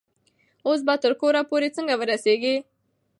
اوس به تر کوره پورې څنګه ورسیږي؟